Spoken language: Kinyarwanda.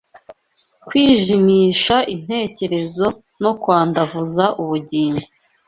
kwijimisha intekerezo no kwandavuza ubugingo